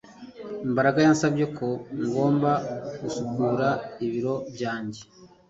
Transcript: Mbaraga yansabye ko ngomba gusukura ibiro byanjye